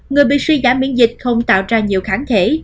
người bị suy giảm miễn dịch không tạo ra nhiều kháng thể